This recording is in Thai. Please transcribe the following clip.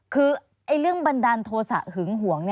คือเรื่องบันดาลโทษะหึงหวง